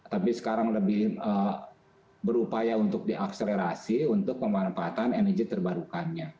tapi sekarang lebih berupaya untuk diakselerasi untuk pemanfaatan energi terbarukannya